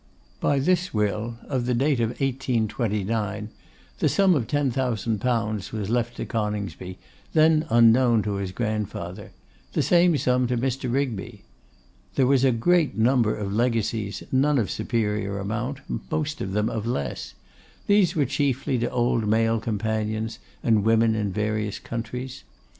By this will, of the date of 1829, the sum of 10,000_l._ was left to Coningsby, then unknown to his grandfather; the same sum to Mr. Rigby. There was a great number of legacies, none of superior amount, most of them of less: these were chiefly left to old male companions, and women in various countries.